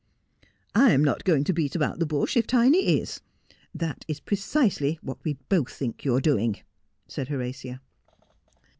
' I am not going to beat about the bush, if Tiny is. That is precisely what we both think you are doing,' said Horatia.